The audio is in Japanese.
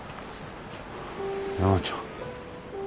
奈々ちゃん。